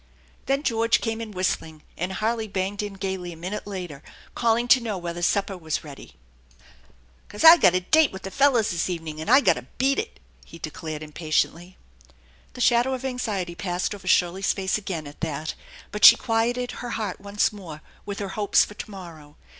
Then George came in whistling, and Harley banged in gayly a minute later, calling to know whether supper waa ready. "'Cause I gotta date with the fellas this evening, and I gotta beat it," he declared impatiently. The shadow of anxiety passed over Shirley's face again at that, but she quieted her heart once more with her hopes for to morrow.